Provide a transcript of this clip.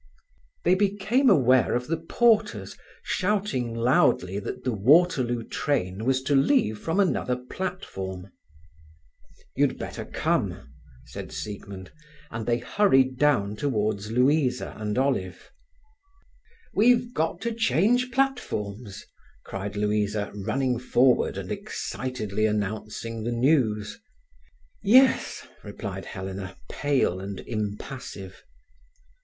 They became aware of the porters shouting loudly that the Waterloo train was to leave from another platform. "You'd better come," said Siegmund, and they hurried down towards Louisa and Olive. "We've got to change platforms," cried Louisa, running forward and excitedly announcing the news. "Yes," replied Helena, pale and impassive.